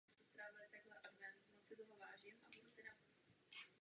Výroba tohoto masa je jednoduchá.